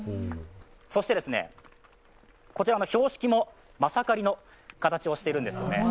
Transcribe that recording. そしてこちらの標識もまさかりの形をしているんですよね。